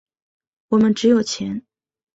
我们只有钱。